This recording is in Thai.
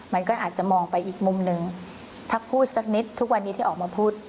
มันก็อาจจะมองไปอีกมุมหนึ่งถ้าพูดสักนิดทุกวันนี้ที่ออกมาพูด